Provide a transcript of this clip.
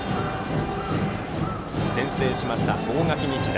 先制しました、大垣日大。